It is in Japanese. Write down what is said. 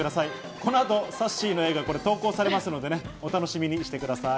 この後、さっしーの絵が投稿されますのでお楽しみにしてください。